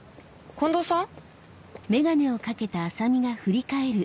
近藤さん